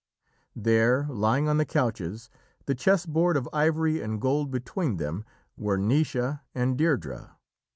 There, lying on the couches, the chess board of ivory and gold between them, were Naoise and Deirdrê.